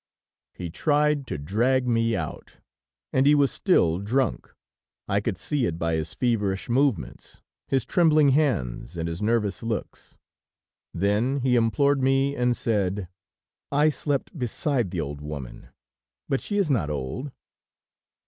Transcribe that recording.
He tried to drag me out, and he was still drunk; I could see it by his feverish movements, his trembling hands and his nervous looks. Then he implored me and said: "I slept beside the old woman; but she is not old.